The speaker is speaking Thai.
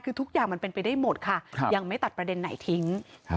คือทุกอย่างมันเป็นไปได้หมดค่ะยังไม่ตัดประเด็นไหนทิ้ง